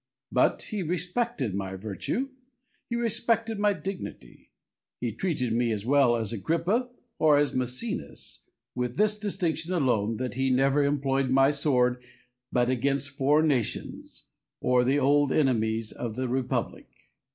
But he respected my virtue, he respected my dignity; he treated me as well as Agrippa, or as Maecenas, with this distinction alone, that he never employed my sword but against foreign nations, or the old enemies of the republic.